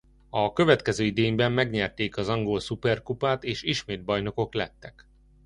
A következő idényben megnyerték az Angol-szuperkupát és ismét bajnokok lettek.